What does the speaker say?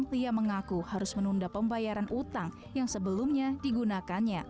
lia mengaku harus menunda pembayaran utang yang sebelumnya digunakannya